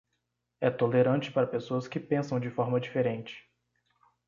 É tolerante para pessoas que pensam de forma diferente.